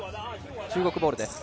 中国ボールです。